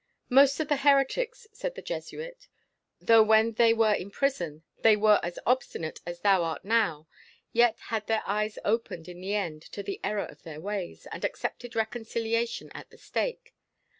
"Most of the heretics," said the Jesuit, "though when they were in prison they were as obstinate as thou art now, yet had their eyes opened in the end to the error of their ways, and accepted reconciliation at the stake.